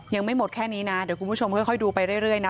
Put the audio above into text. ยังไม่หมดแค่นี้นะเดี๋ยวคุณผู้ชมค่อยดูไปเรื่อยนะ